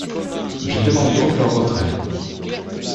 Je demande donc leur retrait.